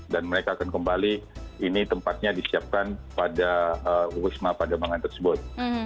dan mereka akan kembali ini tempatnya disiapkan pada wisma pada emangan tersebut